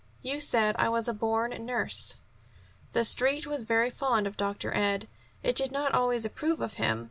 "You said I was a born nurse." The Street was very fond of Dr. Ed. It did not always approve of him.